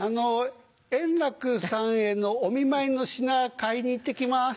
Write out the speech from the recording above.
円楽さんへのお見舞いの品買いに行って来ます。